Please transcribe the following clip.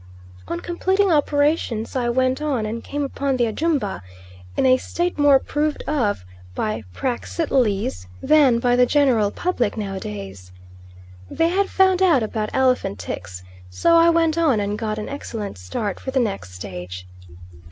On completing operations I went on and came upon the Ajumba in a state more approved of by Praxiteles than by the general public nowadays. They had found out about elephant ticks, so I went on and got an excellent start for the next stage.